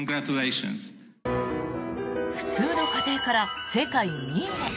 普通の家庭から世界２位へ。